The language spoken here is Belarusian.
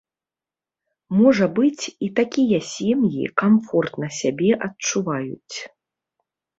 Можа быць, і такія сем'і камфортна сябе адчуваюць.